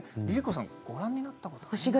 ＬｉＬｉＣｏさんはご覧になったことありますか？